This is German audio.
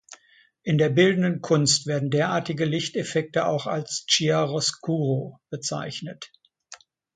In der bildenden Kunst werden derartige Lichteffekte auch als Chiaroscuro bezeichnet.